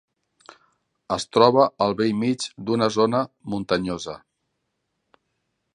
Es troba al bell mig d'una zona muntanyosa.